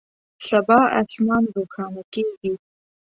سبا اسمان روښانه کیږي